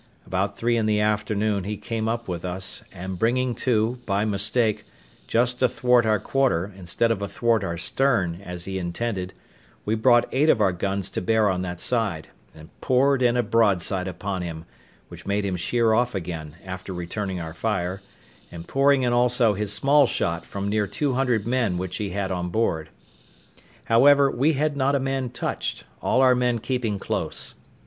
About three in the afternoon he came up with us, and bringing to, by mistake, just athwart our quarter, instead of athwart our stern, as he intended, we brought eight of our guns to bear on that side, and poured in a broadside upon him, which made him sheer off again, after returning our fire, and pouring in also his small shot from near two hundred men which he had on board. However, we had not a man touched, all our men keeping close.